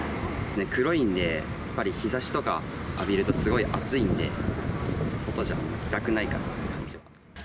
黒いんで、やっぱり日ざしとか浴びるとすごい暑いんで、外じゃ着たくないかなって感じ。